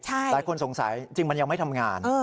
หลายคนสงสัยจริงมันยังไม่ทำงาน